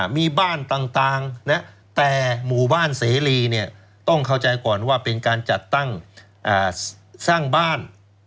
มีบ้านต่างแต่หมู่บ้านเสรีเนี่ยต้องเข้าใจก่อนว่าเป็นการจัดตั้งสร้างบ้าน